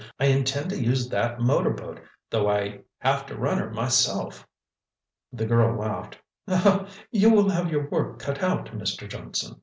"I intend to use that motor boat, though I have to run her myself." The girl laughed. "You'll have your work cut out, Mr. Johnson.